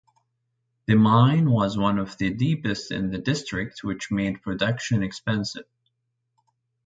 The mine was one of the deepest in the district which made production expensive.